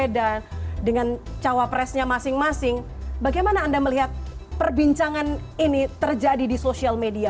dan dengan cawapresnya masing masing bagaimana anda melihat perbincangan ini terjadi di sosial media